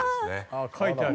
ああ書いてある。